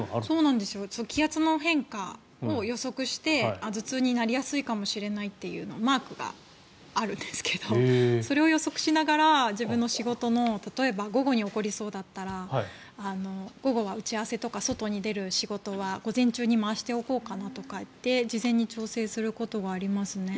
気圧の変化を予測して頭痛になりやすいかもしれないというマークがあるんですけどそれを予測しながら自分の仕事の例えば午後に起こりそうだったら打ち合わせとか外に出る仕事は午前中に回しておこうとかって事前に調整することがありますね。